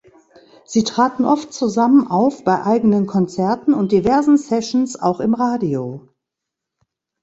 Sie traten oft zusammen auf bei eigenen Konzerten und diversen Sessions, auch im Radio.